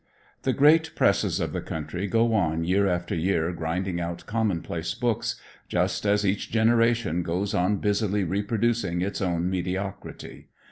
The great presses of the country go on year after year grinding out commonplace books, just as each generation goes on busily reproducing its own mediocrity.